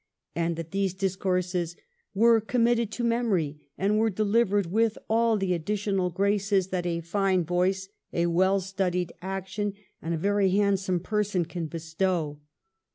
And that these dis courses 'were committed to memory and were de livered with all the additional graces that a fine voice, a well studied action, and a very handsome person can bestow.'